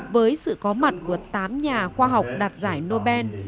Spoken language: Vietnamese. với sự có mặt của tám nhà khoa học đạt giải nobel